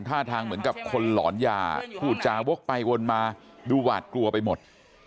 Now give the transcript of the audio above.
ท่าทางเหมือนกับคนหลอนยาพูดจาวกไปวนมาดูหวาดกลัวไปหมด